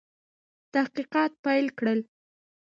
تحقیقات پیل کړل.